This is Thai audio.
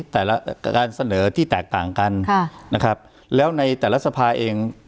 แต่ละการเสนอที่แตกต่างกันค่ะนะครับแล้วในแต่ละสภาเอง